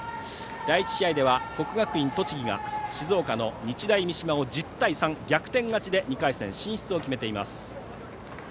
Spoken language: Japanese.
第１試合では国学院栃木が静岡の日大三島を１０対３と逆転勝ちで２回戦進出を決めています。